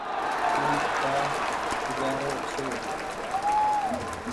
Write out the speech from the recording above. اي ڪآ کوجآرو ڇي۔